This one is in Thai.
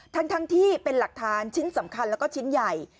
ทั้งที่เป็นหลักฐานชิ้นสำคัญแล้วก็ชิ้นใหญ่